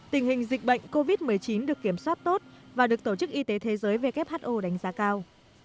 tình hình dịch bệnh covid một mươi chín được kiểm soát tốt và được tổ chức y tế thế giới who đánh giá cao